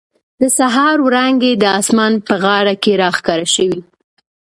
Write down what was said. د سهار وړانګې د اسمان په غاړه کې را ښکاره شوې.